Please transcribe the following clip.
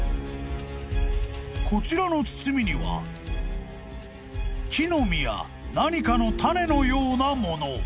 ［こちらの包みには木の実や何かの種のようなもの］